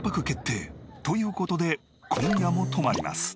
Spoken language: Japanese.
という事で今夜も泊まります。